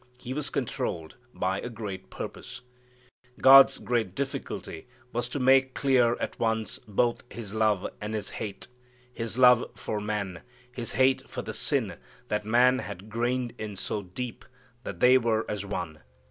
He was controlled by a great purpose. God's great difficulty was to make clear at once both His love and His hate: His love for man: His hate for the sin that man had grained in so deep that they were as one.